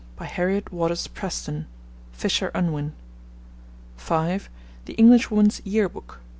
By Harriet Waters Preston. (Fisher Unwin.) (5) The Englishwoman's Year Book, 1888.